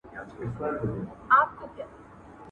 ته ولي خواړه ورکوې،